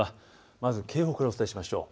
まず警報からお伝えしましょう。